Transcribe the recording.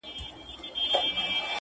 نه واسکټ، نه به ځان مرګی، نه به ترور وي!